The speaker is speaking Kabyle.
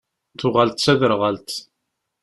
Tuɣal d taderɣalt.